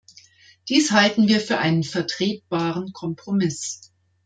Dies halten wir für einen vertretbaren Kompromiss.